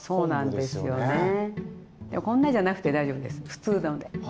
こんなじゃなくて大丈夫です普通ので。